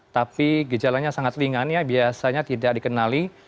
tapi gejalanya sangat ringan ya biasanya tidak dikenali